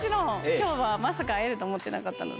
きょうはまさか会えると思ってなかったので。